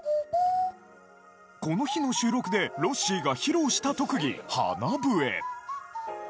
この日の収録で、ロッシーが披露した特技、鼻笛。